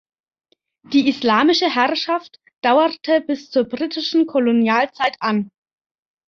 Die islamische Herrschaft dauerte bis zur britischen Kolonialzeit an.